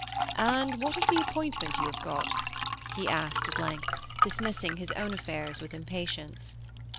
"And what is the appointment you have got?" he asked at length, dismissing his own affairs with impatience.